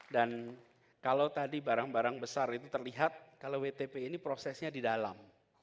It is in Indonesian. dan kalau tadi barang barang besar itu terlihat kalau wtp ini prosesnya di dalam